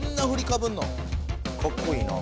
かっこいいな。